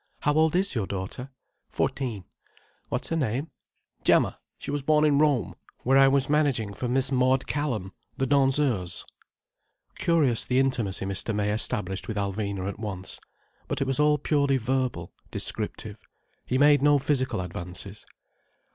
"How old is your daughter?" "Fourteen." "What is her name?" "Gemma. She was born in Rome, where I was managing for Miss Maud Callum, the danseuse." Curious the intimacy Mr. May established with Alvina at once. But it was all purely verbal, descriptive. He made no physical advances.